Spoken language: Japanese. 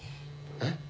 えっ？